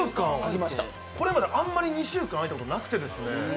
これまであまり２週間空いたことなくてね。